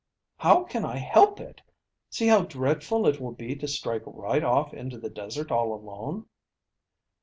"How can I help it? See how dreadful it will be to strike right off into the desert all alone."